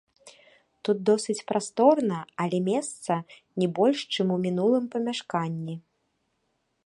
Тут досыць прасторна, але месца не больш, чым у мінулым памяшканні.